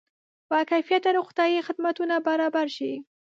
با کیفیته روغتیایي خدمتونه برابر شي.